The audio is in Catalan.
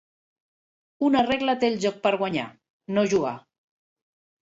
Una regla té el joc per guanyar: no jugar.